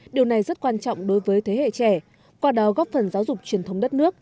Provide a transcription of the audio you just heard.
điều này rất quan trọng đối với thế hệ trẻ qua đó góp phần giáo dục truyền thống đất nước